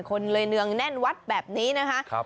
คนเลยเนืองแน่นวัดแบบนี้นะคะ